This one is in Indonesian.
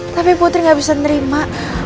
tapi putri gak bisa nerima